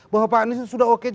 bahwa pak anies itu sudah oke